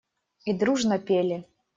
И дружно пели.